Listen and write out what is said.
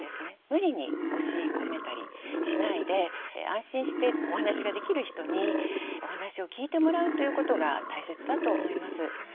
無理に押し込めたりしないで安心してお話ができる人にお話を聞いてもらうということが大切だと思います。